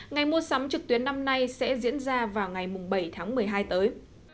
ngày mua sắm trực tuyến năm nay sẽ diễn ra vào ngày bảy tháng một mươi hai tới